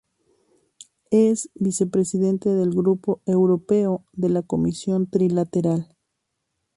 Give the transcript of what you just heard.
Es vicepresidente del Grupo Europeo de la Comisión Trilateral.